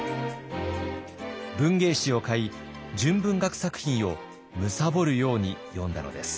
文芸誌を買い純文学作品を貪るように読んだのです。